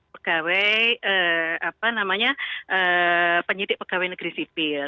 pegawai apa namanya penyitik pegawai negeri sipil